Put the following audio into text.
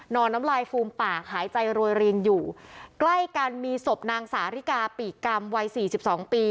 น้ำลายฟูมปากหายใจโรยริงอยู่ใกล้กันมีศพนางสาริกาปีกกรรมวัยสี่สิบสองปี